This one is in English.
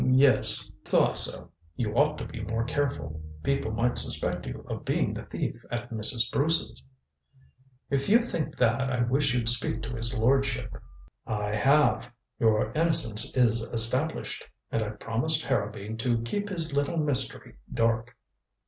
"Y yes." "Thought so. You ought to be more careful. People might suspect you of being the thief at Mrs. Bruce's." "If you think that, I wish you'd speak to his lordship." "I have. Your innocence is established. And I've promised Harrowby to keep his little mystery dark."